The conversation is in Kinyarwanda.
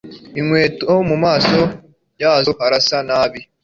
Inkweto mumaso, yazo harasa nabi